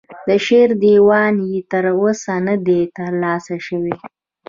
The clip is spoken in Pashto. د شعر دیوان یې تر اوسه نه دی ترلاسه شوی.